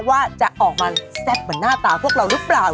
ว่าจะออกมาแซ่บเหมือนหน้าตาพวกเราหรือเปล่า